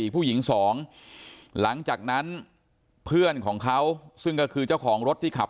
ผู้หญิง๒หลังจากนั้นเพื่อนของเขาซึ่งก็คือเจ้าของรถที่ขับ